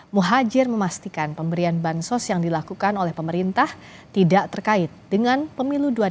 muhajir memastikan pemberian bansos yang dilakukan oleh pemerintah tidak terkait dengan pemilu dua ribu sembilan belas